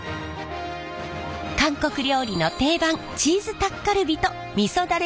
韓国料理の定番チーズタッカルビとみそダレの相性は？